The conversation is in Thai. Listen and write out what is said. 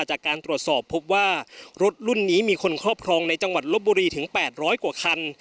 จากการตรวจสอบพบว่ารถรุ่นนี้มีคนครอบครองในจังหวัดลบบุรีถึง๘๐๐กว่าคัน